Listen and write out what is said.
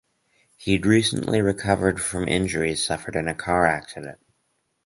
He had recently recovered from injuries suffered in a car accident.